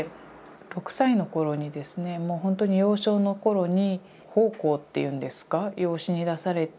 ６歳の頃にですねもうほんとに幼少の頃に奉公っていうんですか養子に出されて。